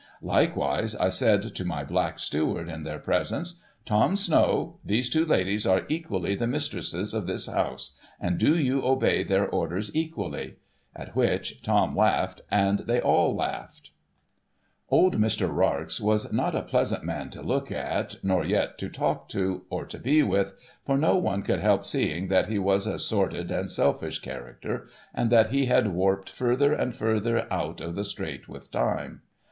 Likewise I said to my black steward in their presence, ' Tom Snow, these two ladies are equally the mistresses of this house, and do you obey their orders equally ;' at which Tom laughed, and they all laughed. Old Mr. Rarx was not a pleasant man to look at, nor yet to talk to, or to be with, for no one could help seeing that he was a sordid and selfish character, and that he had warped further and further out of the straight with time.